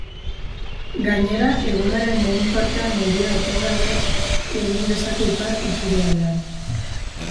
Gainera, egunaren lehen partean euria etengabe egin dezake ipar isurialdean.